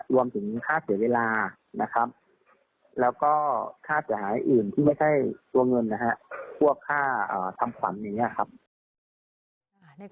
รวมถึงค่าเสียเวลาแล้วก็ค่าจ่ายอื่นที่ไม่ใช่ตัวเงิน